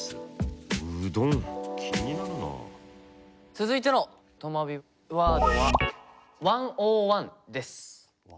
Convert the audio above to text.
続いてのとまビワードは１ｏｎ１です。